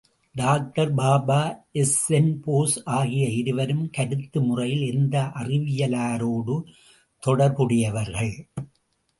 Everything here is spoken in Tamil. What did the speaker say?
டாக்டர் பாபா, எஸ்.என்.போஸ் ஆகிய இருவரும் கருத்து முறையில் எந்த அறிவியலாரோடு தொடர்புடையவர்கள்?